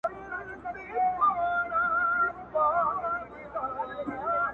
بیا د ژړو ګلو وار سو د زمان استازی راغی-